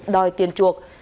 đòi tiền chuộc